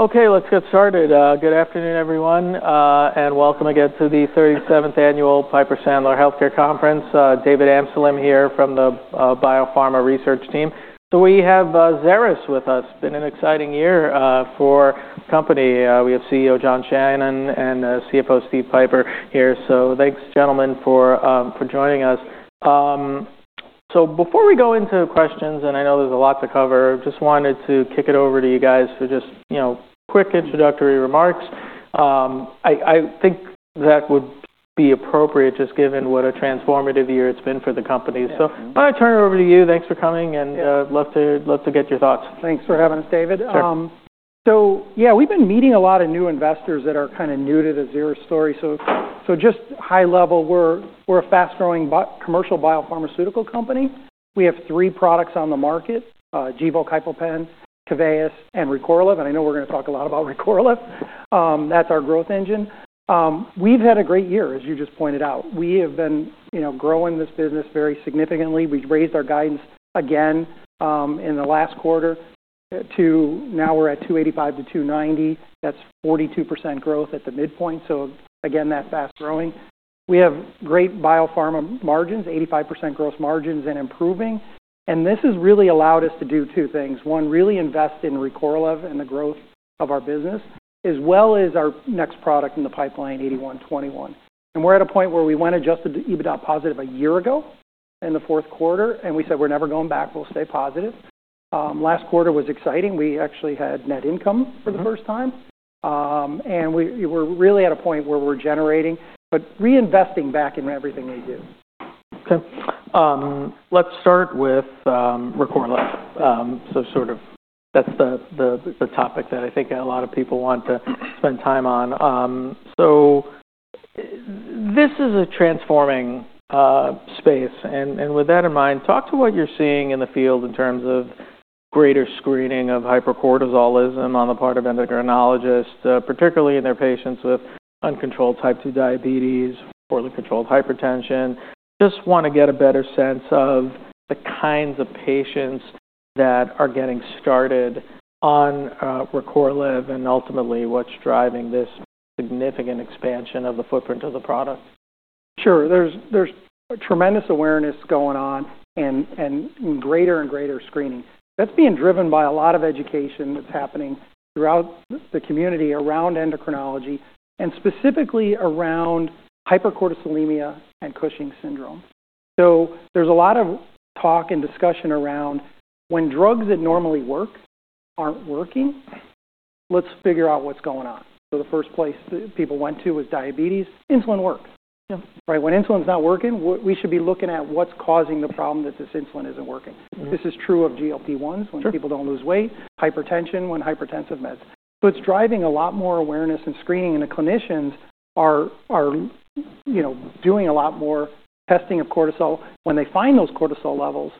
Okay, let's get started. Good afternoon, everyone, and welcome again to the 37th Annual Piper Sandler Healthcare Conference. David Amsellem here from the Biopharma Research Team. We have Xeris with us. It's been an exciting year for the company. We have CEO John Shannon and CFO Steve Pieper here. Thanks, gentlemen, for joining us. Before we go into questions, and I know there's a lot to cover, I just wanted to kick it over to you guys for just quick introductory remarks. I think that would be appropriate just given what a transformative year it's been for the company. I'm going to turn it over to you. Thanks for coming, and I'd love to get your thoughts. Thanks for having us, David. Yeah, we've been meeting a lot of new investors that are kind of new to the Xeris story. Just high level, we're a fast-growing commercial biopharmaceutical company. We have three products on the market: Gvoke HypoPen, Keveyis, and Recorlev. I know we're going to talk a lot about Recorlev. That's our growth engine. We've had a great year, as you just pointed out. We have been growing this business very significantly. We've raised our guidance again in the last quarter to now we're at $285 million-$290 million. That's 42% growth at the midpoint. Again, that fast growing. We have great biopharma margins, 85% gross margins, and improving. This has really allowed us to do two things: one, really invest in Recorlev and the growth of our business, as well as our next product in the pipeline, XP-8121. We're at a point where we went adjusted EBITDA positive a year ago in the fourth quarter, and we said we're never going back. We'll stay positive. Last quarter was exciting. We actually had net income for the first time. We're really at a point where we're generating, but reinvesting back in everything we do. Okay. Let's start with Recorlev. That's the topic that I think a lot of people want to spend time on. This is a transforming space. With that in mind, talk to what you're seeing in the field in terms of greater screening of hypercortisolism on the part of endocrinologists, particularly in their patients with uncontrolled type 2 diabetes, poorly controlled hypertension. Just want to get a better sense of the kinds of patients that are getting started on Recorlev and ultimately what's driving this significant expansion of the footprint of the product. Sure. There's tremendous awareness going on and greater and greater screening. That's being driven by a lot of education that's happening throughout the community around endocrinology and specifically around hypercortisolemia and Cushing's syndrome. There's a lot of talk and discussion around when drugs that normally work aren't working, let's figure out what's going on. The first place people went to was diabetes. Insulin works. When insulin's not working, we should be looking at what's causing the problem that this insulin isn't working. This is true of GLP-1s when people don't lose weight, hypertension when hypertensive meds. It's driving a lot more awareness and screening, and the clinicians are doing a lot more testing of cortisol. When they find those cortisol levels,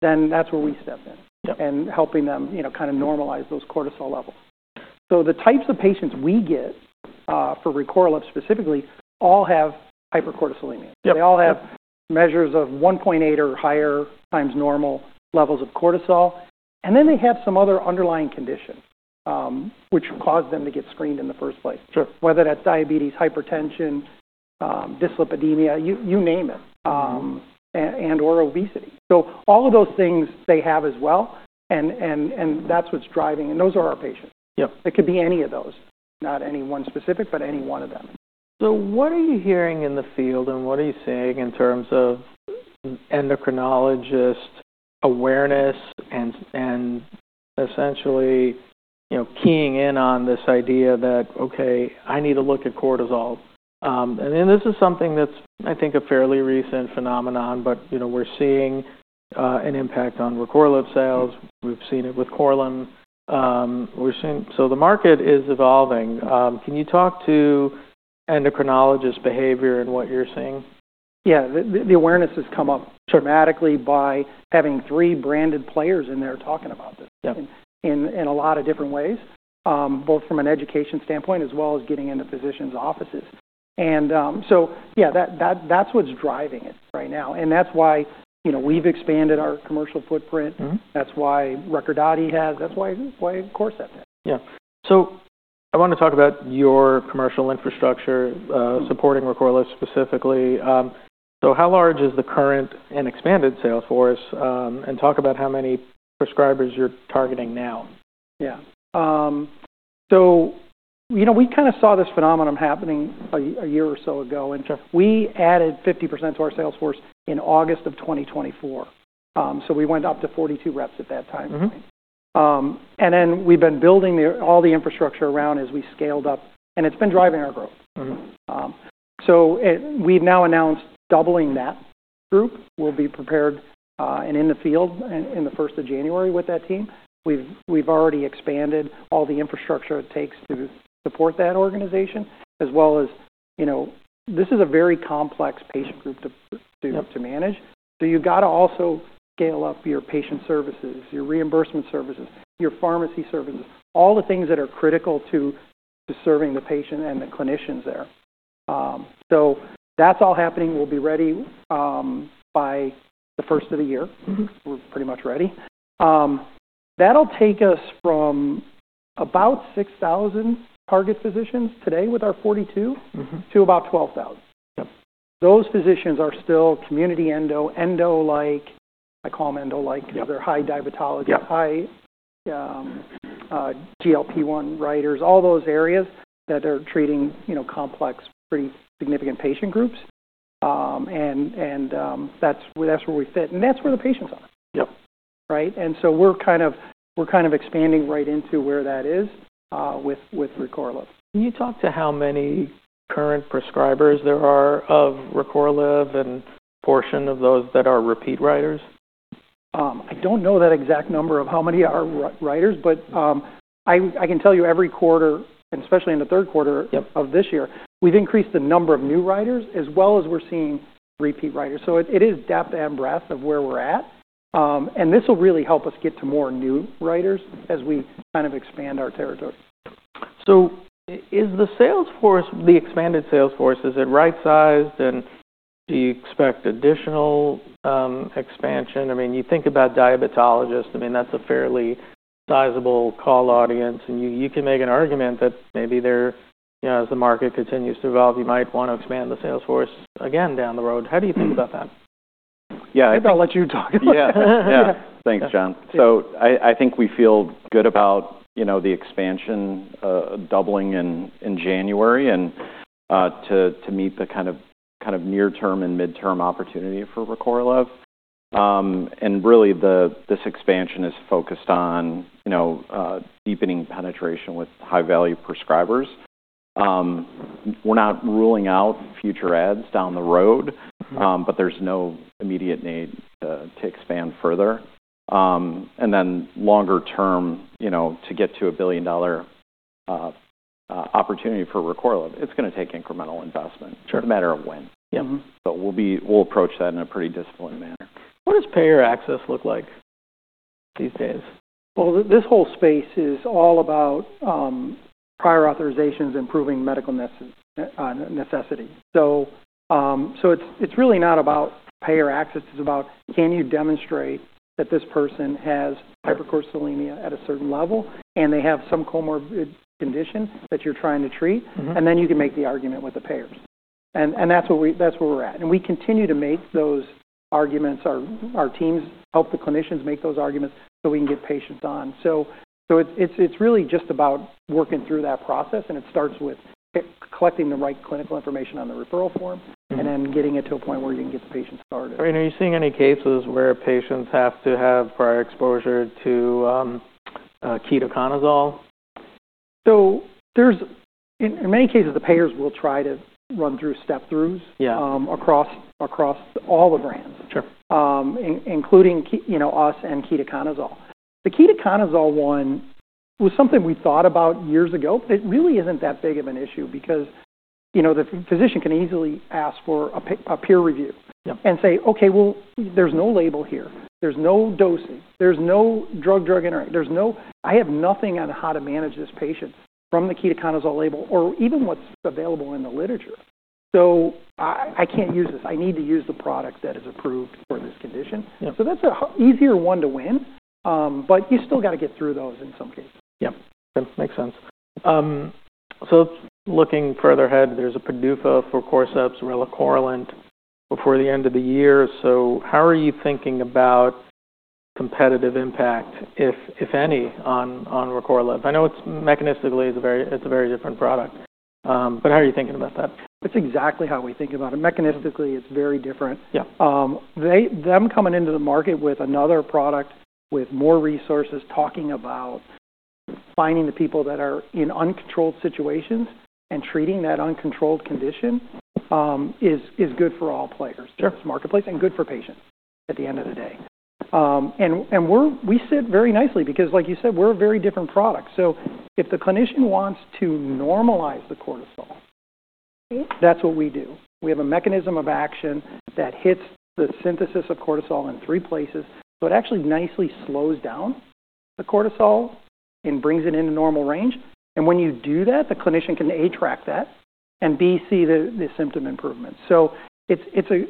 that's where we step in and helping them kind of normalize those cortisol levels. The types of patients we get for Recorlev specifically all have hypercortisolemia. They all have measures of 1.8 or higher times normal levels of cortisol. They have some other underlying condition which caused them to get screened in the first place, whether that's diabetes, hypertension, dyslipidemia, you name it, and/or obesity. All of those things they have as well, and that's what's driving. Those are our patients. It could be any of those, not any one specific, but any one of them. What are you hearing in the field and what are you seeing in terms of endocrinologist awareness and essentially keying in on this idea that, "Okay, I need to look at cortisol." This is something that's, I think, a fairly recent phenomenon, but we're seeing an impact on Recorlev sales. We've seen it with Korlym. The market is evolving. Can you talk to endocrinologist behavior and what you're seeing? Yeah. The awareness has come up dramatically by having three branded players in there talking about this in a lot of different ways, both from an education standpoint as well as getting into physicians' offices. Yeah, that's what's driving it right now. That's why we've expanded our commercial footprint. That's why Recordati has. That's why Corcept has. Yeah. I want to talk about your commercial infrastructure supporting Recorlev specifically. How large is the current and expanded sales force? Talk about how many prescribers you're targeting now. Yeah. We kind of saw this phenomenon happening a year or so ago, and we added 50% to our sales force in August of 2024. We went up to 42 reps at that time point. We have been building all the infrastructure around as we scaled up, and it has been driving our growth. We have now announced doubling that group. We will be prepared and in the field in the 1st January with that team. We have already expanded all the infrastructure it takes to support that organization, as well as this is a very complex patient group to manage. You have to also scale up your patient services, your reimbursement services, your pharmacy services, all the things that are critical to serving the patient and the clinicians there. That is all happening. We will be ready by the first of the year. We are pretty much ready. That'll take us from about 6,000 target physicians today with our 42 to about 12,000. Those physicians are still community endo-like. I call them endo-like. They're high divertology, high GLP-1 writers, all those areas that are treating complex, pretty significant patient groups. That's where we fit. That's where the patients are. Right? We're kind of expanding right into where that is with Recorlev. Can you talk to how many current prescribers there are of Recorlev and a portion of those that are repeat writers? I don't know that exact number of how many are writers, but I can tell you every quarter, especially in the third quarter of this year, we've increased the number of new writers as well as we're seeing repeat writers. It is depth and breadth of where we're at. This will really help us get to more new writers as we kind of expand our territory. Is the sales force, the expanded sales force, is it right-sized? Do you expect additional expansion? I mean, you think about diabetologists. I mean, that's a fairly sizable call audience. You can make an argument that maybe as the market continues to evolve, you might want to expand the sales force again down the road. How do you think about that? Yeah. I think I'll let you talk. Yeah. Yeah. Thanks, John. I think we feel good about the expansion doubling in January to meet the kind of near-term and mid-term opportunity for Recorlev. Really, this expansion is focused on deepening penetration with high-value prescribers. We're not ruling out future adds down the road, but there's no immediate need to expand further. Longer term, to get to a billion-dollar opportunity for Recorlev, it's going to take incremental investment, no matter when. We'll approach that in a pretty disciplined manner. What does payer access look like these days? This whole space is all about prior authorizations, improving medical necessity. It is really not about payer access. It is about, can you demonstrate that this person has hypercortisolemia at a certain level and they have some comorbid condition that you are trying to treat? You can make the argument with the payers. That is where we are at. We continue to make those arguments. Our teams help the clinicians make those arguments so we can get patients on. It is really just about working through that process. It starts with collecting the right clinical information on the referral form and then getting it to a point where you can get the patient started. I mean, are you seeing any cases where patients have to have prior exposure to ketoconazole? In many cases, the payers will try to run through step-throughs across all the brands, including us and ketoconazole. The ketoconazole one was something we thought about years ago, but it really isn't that big of an issue because the physician can easily ask for a peer review and say, "Okay, there's no label here. There's no dosing. There's no drug-drug interaction. I have nothing on how to manage this patient from the ketoconazole label or even what's available in the literature. I can't use this. I need to use the product that is approved for this condition." That's an easier one to win, but you still got to get through those in some cases. Yep. Makes sense. Looking further ahead, there's a PDUFA for Corcept's relacorilant before the end of the year. How are you thinking about competitive impact, if any, on Recorlev? I know mechanistically it's a very different product, but how are you thinking about that? That's exactly how we think about it. Mechanistically, it's very different. Them coming into the market with another product with more resources, talking about finding the people that are in uncontrolled situations and treating that uncontrolled condition is good for all players in this marketplace and good for patients at the end of the day. We sit very nicely because, like you said, we're a very different product. If the clinician wants to normalize the cortisol, that's what we do. We have a mechanism of action that hits the synthesis of cortisol in three places. It actually nicely slows down the cortisol and brings it into normal range. When you do that, the clinician can A, track that, and B, see the symptom improvement. It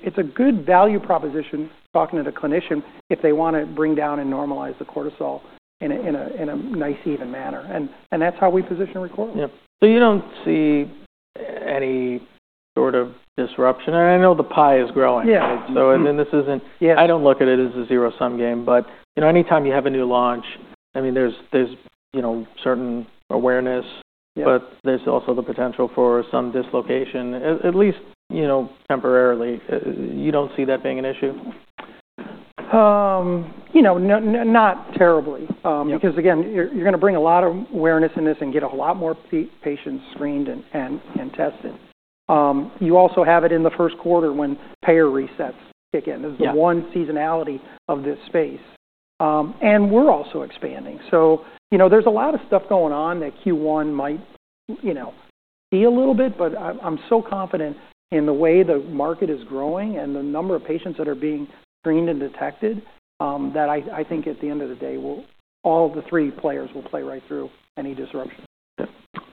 is a good value proposition talking to the clinician if they want to bring down and normalize the cortisol in a nice even manner. That is how we position Recorlev. Yeah. You do not see any sort of disruption. I know the pie is growing. I do not look at it as a zero-sum game, but anytime you have a new launch, there is certain awareness, but there is also the potential for some dislocation, at least temporarily. You do not see that being an issue? Not terribly because, again, you're going to bring a lot of awareness in this and get a lot more patients screened and tested. You also have it in the first quarter when payer resets kick in. This is one seasonality of this space. We're also expanding. There is a lot of stuff going on that Q1 might see a little bit, but I'm so confident in the way the market is growing and the number of patients that are being screened and detected that I think at the end of the day, all the three players will play right through any disruption. Yeah.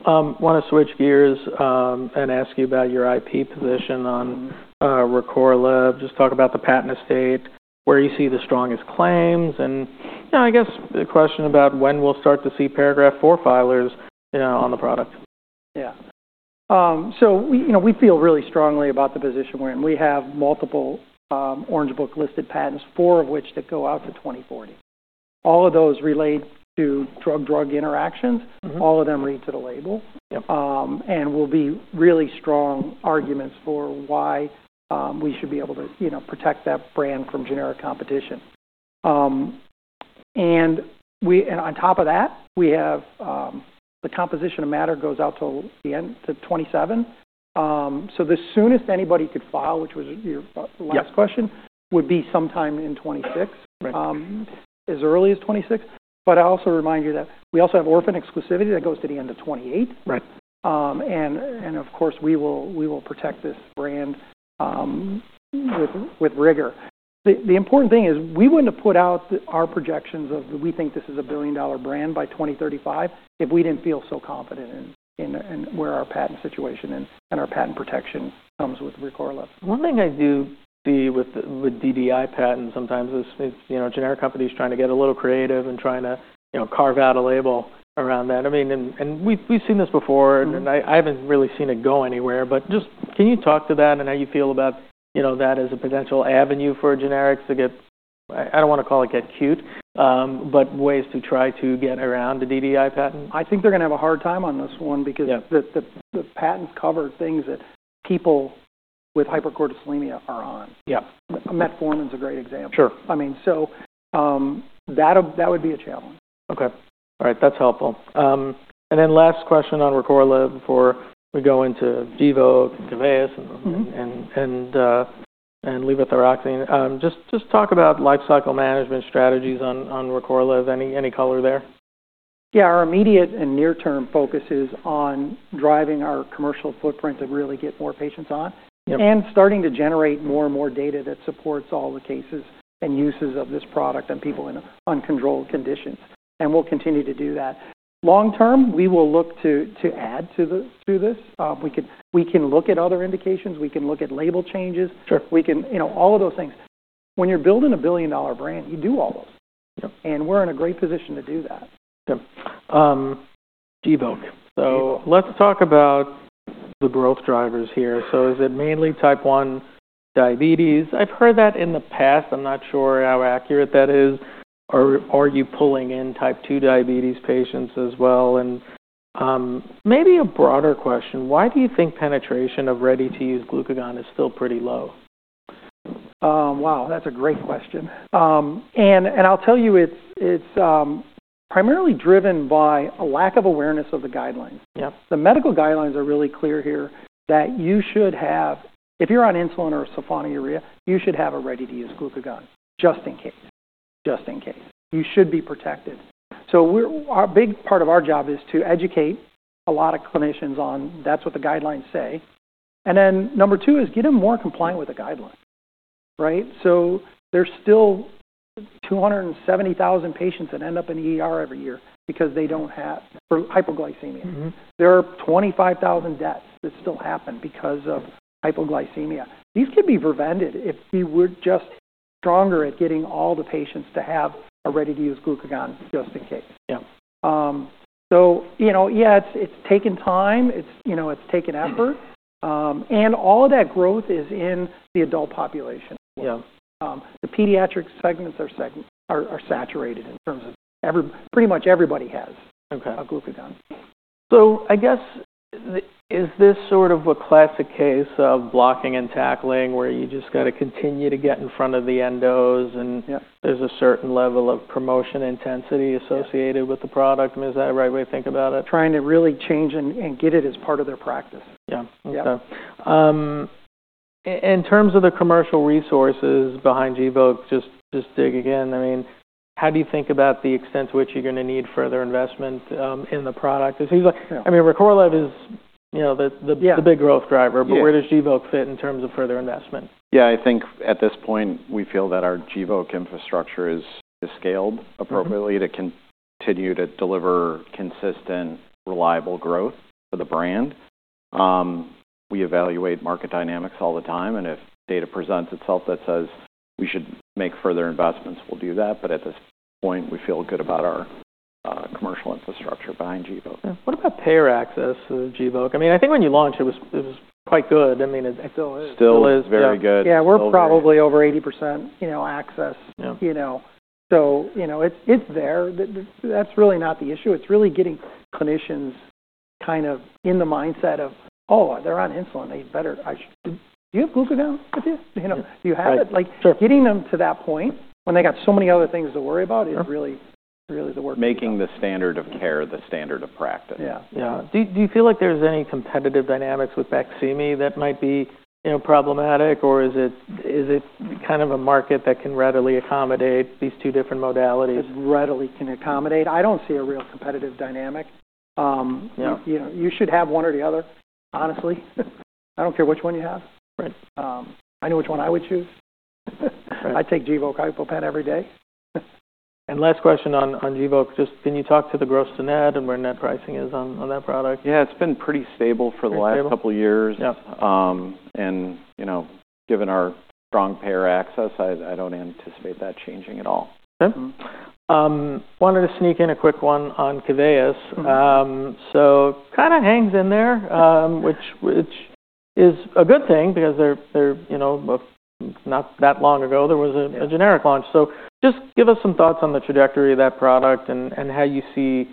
I want to switch gears and ask you about your IP position on Recorlev. Just talk about the patent estate, where you see the strongest claims, and I guess the question about when we'll start to see paragraph IV filers on the product. Yeah. We feel really strongly about the position we're in. We have multiple Orange Book-listed patents, four of which go out to 2040. All of those relate to drug-drug interactions. All of them read to the label. We will be really strong arguments for why we should be able to protect that brand from generic competition. On top of that, the composition of matter goes out till the end, to 2027. The soonest anybody could file, which was your last question, would be sometime in 2026, as early as 2026. I also remind you that we also have orphan exclusivity that goes to the end of 2028. Of course, we will protect this brand with rigor. The important thing is we wouldn't have put out our projections of we think this is a billion-dollar brand by 2035 if we didn't feel so confident in where our patent situation and our patent protection comes with Recorlev. One thing I do see with DDI patents sometimes is generic companies trying to get a little creative and trying to carve out a label around that. I mean, and we've seen this before, and I haven't really seen it go anywhere. Just can you talk to that and how you feel about that as a potential avenue for generics to get—I don't want to call it get cute, but ways to try to get around the DDI patent? I think they're going to have a hard time on this one because the patents cover things that people with hypercortisolemia are on. Metformin is a great example. I mean, so that would be a challenge. Okay. All right. That's helpful. Last question on Recorlev before we go into Gvoke, Keveyis, and levothyroxine. Just talk about life cycle management strategies on Recorlev. Any color there? Yeah. Our immediate and near-term focus is on driving our commercial footprint to really get more patients on and starting to generate more and more data that supports all the cases and uses of this product and people in uncontrolled conditions. We'll continue to do that. Long term, we will look to add to this. We can look at other indications. We can look at label changes. We can—all of those things. When you're building a billion-dollar brand, you do all those. We're in a great position to do that. Yeah. Gvoke. Let's talk about the growth drivers here. Is it mainly type 1 diabetes? I've heard that in the past. I'm not sure how accurate that is. Are you pulling in type 2 diabetes patients as well? Maybe a broader question. Why do you think penetration of ready-to-use glucagon is still pretty low? Wow, that's a great question. I'll tell you, it's primarily driven by a lack of awareness of the guidelines. The medical guidelines are really clear here that you should have—if you're on insulin or sulfonylurea, you should have a ready-to-use glucagon just in case, just in case. You should be protected. A big part of our job is to educate a lot of clinicians on that's what the guidelines say. Number two is get them more compliant with the guidelines. Right? There are still 270,000 patients that end up in the every year because they don't have hypoglycemia. There are 25,000 deaths that still happen because of hypoglycemia. These could be prevented if we were just stronger at getting all the patients to have a ready-to-use glucagon just in case. Yeah, it's taken time. It's taken effort. All of that growth is in the adult population as well. The pediatric segments are saturated in terms of pretty much everybody has a glucagon. I guess, is this sort of a classic case of blocking and tackling where you just got to continue to get in front of the endos and there's a certain level of promotion intensity associated with the product? I mean, is that a right way to think about it? Trying to really change and get it as part of their practice. Yeah. In terms of the commercial resources behind Gvoke, just dig again. I mean, how do you think about the extent to which you're going to need further investment in the product? Because I mean, Recorlev is the big growth driver, but where does Gvoke fit in terms of further investment? Yeah. I think at this point, we feel that our Gvoke infrastructure is scaled appropriately to continue to deliver consistent, reliable growth for the brand. We evaluate market dynamics all the time. If data presents itself that says we should make further investments, we'll do that. At this point, we feel good about our commercial infrastructure behind Gvoke. What about payer access for Gvoke? I mean, I think when you launched, it was quite good. I mean, it still is. Still is very good. Yeah. We're probably over 80% access. It's there. That's really not the issue. It's really getting clinicians kind of in the mindset of, "Oh, they're on insulin. Do you have glucagon with you? Do you have it?" Getting them to that point when they got so many other things to worry about is really the work we're doing. Making the standard of care the standard of practice. Yeah. Yeah. Do you feel like there's any competitive dynamics with Baqsimi that might be problematic, or is it kind of a market that can readily accommodate these two different modalities? It readily can accommodate. I don't see a real competitive dynamic. You should have one or the other, honestly. I don't care which one you have. I know which one I would choose. I take Gvoke ibuprofen every day. Last question on Gvoke, just can you talk to the gross to net and where net pricing is on that product? Yeah. It's been pretty stable for the last couple of years. Given our strong payer access, I don't anticipate that changing at all. Okay. Wanted to sneak in a quick one on Keveyis. Kind of hangs in there, which is a good thing because not that long ago, there was a generic launch. Just give us some thoughts on the trajectory of that product and how you see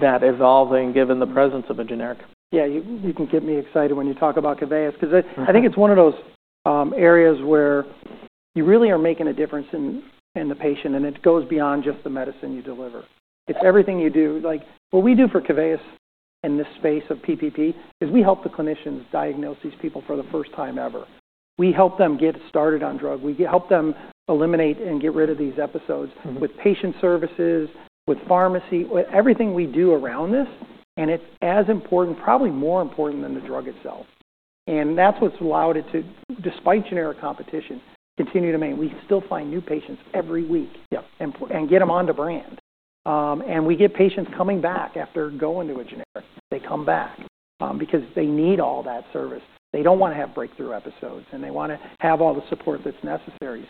that evolving given the presence of a generic. Yeah. You can get me excited when you talk about Keveyis because I think it's one of those areas where you really are making a difference in the patient, and it goes beyond just the medicine you deliver. It's everything you do. What we do for Keveyis in this space of PPP is we help the clinicians diagnose these people for the first time ever. We help them get started on drug. We help them eliminate and get rid of these episodes with patient services, with pharmacy, everything we do around this. It's as important, probably more important than the drug itself. That's what's allowed it to, despite generic competition, continue to maintain. We still find new patients every week and get them on the brand. We get patients coming back after going to a generic. They come back because they need all that service. They don't want to have breakthrough episodes, and they want to have all the support that's necessary.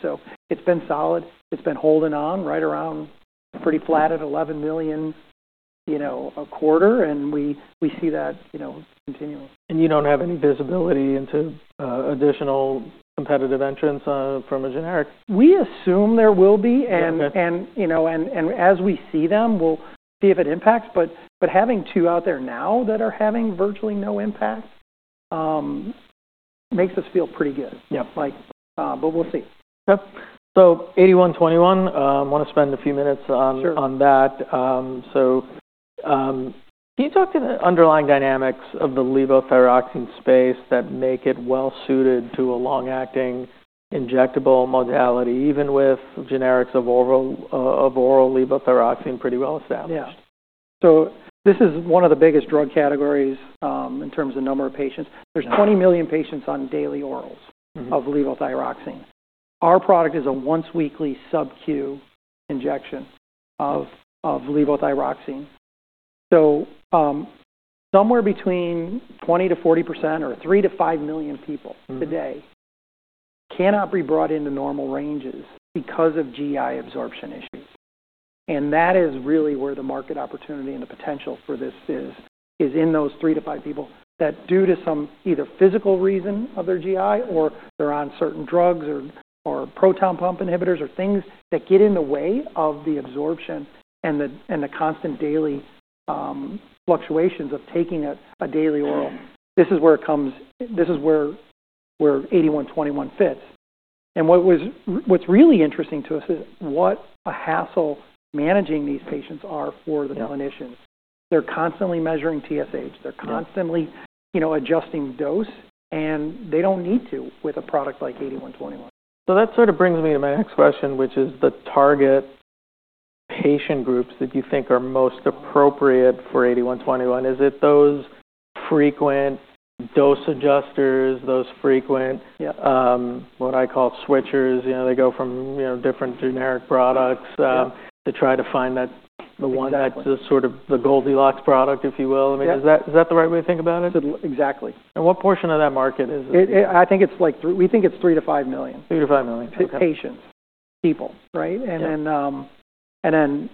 It's been solid. It's been holding on right around pretty flat at $11 million a quarter, and we see that continuing. You do not have any visibility into additional competitive entrants from a generic? We assume there will be. As we see them, we'll see if it impacts. Having two out there now that are having virtually no impact makes us feel pretty good. We'll see. Okay. 8121. I want to spend a few minutes on that. Can you talk to the underlying dynamics of the levothyroxine space that make it well-suited to a long-acting injectable modality, even with generics of oral levothyroxine pretty well established? Yeah. This is one of the biggest drug categories in terms of number of patients. There's 20 million patients on daily orals of levothyroxine. Our product is a once-weekly subcutaneous injection of levothyroxine. Somewhere between 20%-40% or 3 million-5 million people today cannot be brought into normal ranges because of GI absorption issues. That is really where the market opportunity and the potential for this is, in those 3 million-5 million people that, due to some either physical reason of their GI or they're on certain drugs or proton pump inhibitors or things that get in the way of the absorption and the constant daily fluctuations of taking a daily oral, this is where it comes in. This is where 8121 fits. What's really interesting to us is what a hassle managing these patients are for the clinicians. They're constantly measuring TSH. They're constantly adjusting dose, and they don't need to with a product like 8121. That sort of brings me to my next question, which is the target patient groups that you think are most appropriate for 8121. Is it those frequent dose adjusters, those frequent what I call switchers? They go from different generic products to try to find the sort of the Goldilocks product, if you will. I mean, is that the right way to think about it? Exactly. What portion of that market is it? I think it's like—we think it's 3million- 5 million. 3million-5 million. To patients, people. Right? And then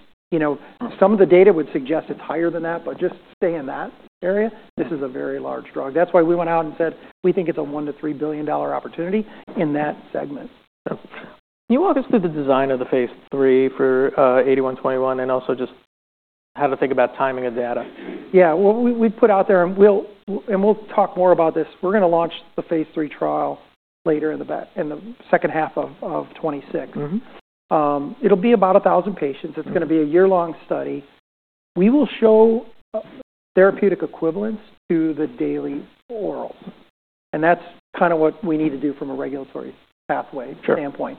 some of the data would suggest it's higher than that, but just stay in that area. This is a very large drug. That's why we went out and said we think it's a $1 billion-$3 billion opportunity in that segment. Can you walk us through the design of the phase III for 8121 and also just how to think about timing of data? Yeah. We put out there—and we'll talk more about this. We're going to launch the phase three trial later in the second half of 2026. It'll be about 1,000 patients. It's going to be a year-long study. We will show therapeutic equivalence to the daily orals. That's kind of what we need to do from a regulatory pathway standpoint.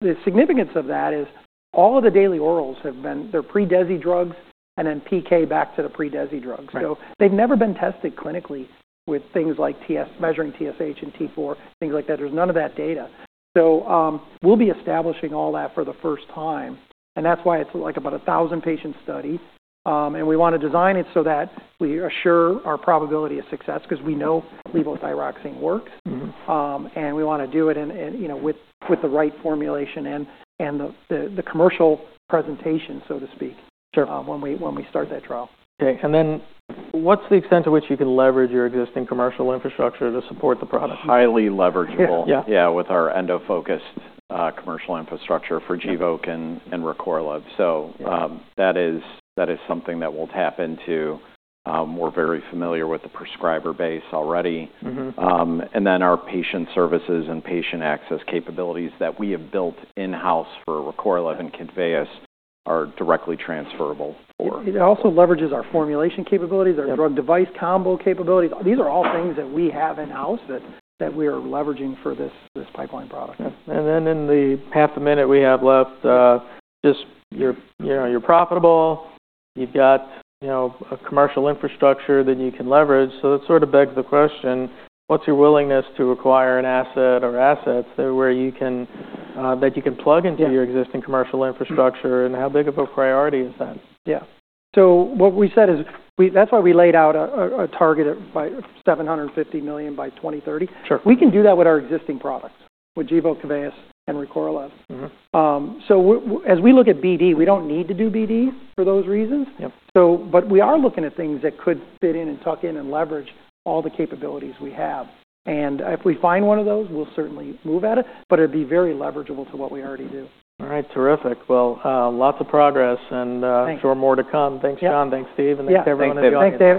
The significance of that is all of the daily orals have been—they're pre-DESI drugs and then PK back to the pre-DESI drugs. They've never been tested clinically with things like measuring TSH and T4, things like that. There's none of that data. We'll be establishing all that for the first time. That's why it's like about 1,000-patient study. We want to design it so that we assure our probability of success because we know levothyroxine works. We want to do it with the right formulation and the commercial presentation, so to speak, when we start that trial. Okay. What is the extent to which you can leverage your existing commercial infrastructure to support the product? Highly leverageable, yeah, with our endofocused commercial infrastructure for Gvoke and Recorlev. That is something that we'll tap into. We're very familiar with the prescriber base already. Our patient services and patient access capabilities that we have built in-house for Recorlev and Keveyis are directly transferable. It also leverages our formulation capabilities, our drug-device combo capabilities. These are all things that we have in-house that we are leveraging for this pipeline product. In the half a minute we have left, just you're profitable. You've got a commercial infrastructure that you can leverage. That sort of begs the question, what's your willingness to acquire an asset or assets that you can plug into your existing commercial infrastructure? How big of a priority is that? Yeah. What we said is that's why we laid out a target of $750 million by 2030. We can do that with our existing products, with Gvoke, Keveyis, and Recorlev. As we look at BD, we don't need to do BD for those reasons. We are looking at things that could fit in and tuck in and leverage all the capabilities we have. If we find one of those, we'll certainly move at it. It would be very leverageable to what we already do. All right. Terrific. Lots of progress. I'm sure more to come. Thanks, John. Thanks, Steve. Thanks, everyone at the event. Thanks.